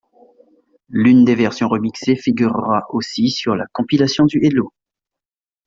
L'une des versions remixées figurera aussi sur la compilation du Hello!